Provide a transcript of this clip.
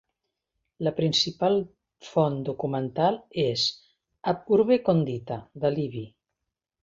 La principal font documental és "Ab Urbe Condita" de Livy.